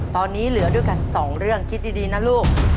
ตอนนี้เหลือด้วยกันสองเรื่องคิดดีนะลูก